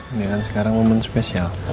ini kan sekarang momen spesial